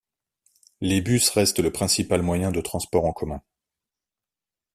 Les bus restent le principal moyen de transport en commun.